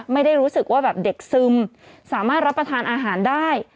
ไม่ได้รู้สึกว่าแบบเด็กซึมสามารถรับประทานอาหารได้